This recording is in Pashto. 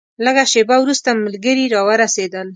لږه شېبه وروسته ملګري راورسېدل.